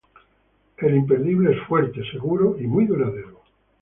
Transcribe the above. El imperdible es fuerte, seguro y muy duradero.